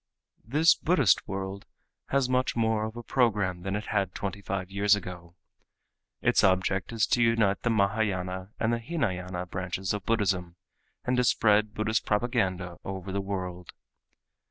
This Buddhist, world has much more of a program than it had twenty five years ago. Its object is to unite the Mahayâna and the Hînayâna branches of Buddhism and to spread Buddhist propaganda over the world.